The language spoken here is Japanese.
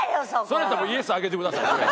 それやったらもうＹＥＳ上げてください。